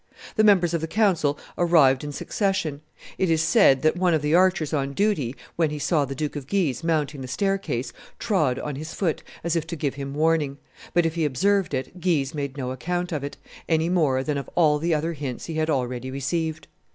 The members of the council arrived in succession; it is said that one of the archers on duty, when he saw the Duke of Guise mounting the staircase, trod on his foot, as if to give him warning; but, if he observed it, Guise made no account of it, any more than of all the other hints he had already received.